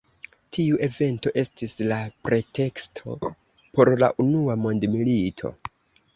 Tiu evento estis la preteksto por la Unua mondmilito.